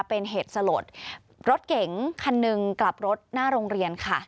เป็นเหตุสลดรถเก๋งคันหนึ่งกลับรถหน้าโรงเรียนค่ะ